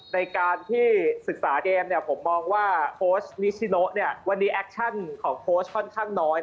ในการที่ศึกษาเกมผมมองว่าโค้ชนิชิโนวันนี้แอคชั่นของโค้ชค่อนข้างน้อย